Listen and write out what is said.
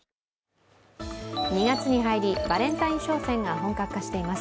２月に入り、バレンタイン商戦が本格化しています。